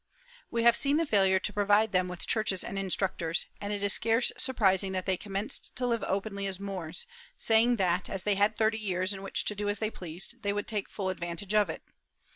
We have seen the failure to provide them with churches and instructors, and it is scarce surprising that they commenced to live openly as Moors, saying that, as they had thirty years in which to do as they pleased, they would take full advan tage of it.